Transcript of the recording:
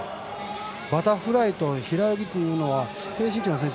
バタフライと平泳ぎというのは低身長の選手